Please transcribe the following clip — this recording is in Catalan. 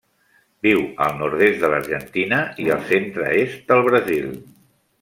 Viu al nord-est de l'Argentina i el centre-est del Brasil.